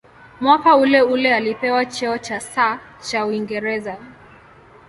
Mwaka uleule alipewa cheo cha "Sir" cha Uingereza.